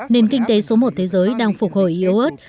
nền kinh tế số một thế giới đang phục hồi yếu ớt